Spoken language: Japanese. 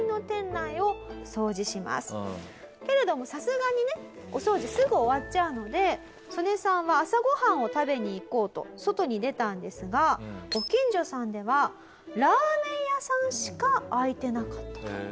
けれどもさすがにねお掃除すぐ終わっちゃうのでソネさんは朝ご飯を食べに行こうと外に出たんですがご近所さんではラーメン屋さんしか開いてなかったと。